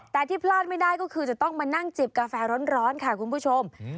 แต่ที่พลาดไม่ได้ก็คือจะต้องมานั่งจิบกาแฟร้อนค่ะคุณผู้ชม